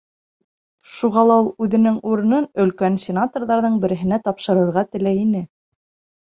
Шуға ла ул үҙенең урынын өлкән сенаторҙарҙың береһенә тапшырырға теләй ине.